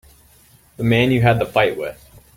The man you had the fight with.